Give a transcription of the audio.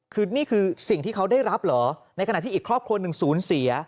คือนี่คือสิ่งที่เขาได้รับเหรอในขณะที่อีกครอบครัวหนึ่งศูนย์เสีย